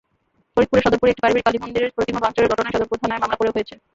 ফরিদপুরের সদরপুরে একটি পারিবারিক কালীমন্দিরের প্রতিমা ভাঙচুরের ঘটনায় সদরপুর থানায় মামলা করা হয়েছে।